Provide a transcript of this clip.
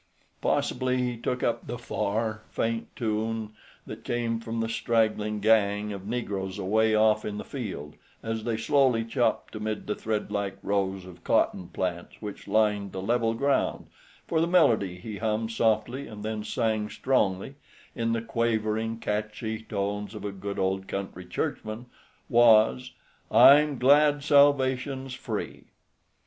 Possibly he took up the far, faint tune that came from the straggling gang of negroes away off in the field, as they slowly chopped amid the threadlike rows of cotton plants which lined the level ground, for the melody he hummed softly and then sang strongly, in the quavering, catchy tones of a good old country churchman, was "I'm glad salvation's free."